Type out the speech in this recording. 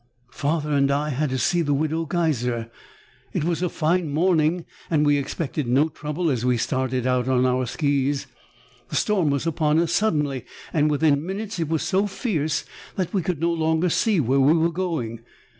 "Father and I had to see the Widow Geiser. It was a fine morning and we expected no trouble as we started out on our skis. The storm was upon us suddenly, and within minutes it was so fierce that we could no longer see where we were going.